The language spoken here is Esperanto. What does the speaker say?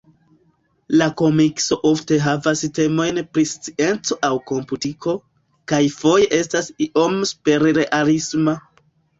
La komikso ofte havas temojn pri scienco aŭ komputiko, kaj foje estas iom superrealisma.